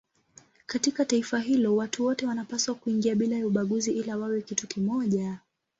Katika taifa hilo watu wote wanapaswa kuingia bila ya ubaguzi ili wawe kitu kimoja.